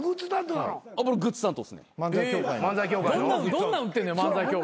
どんなん売ってんねや漫才協会。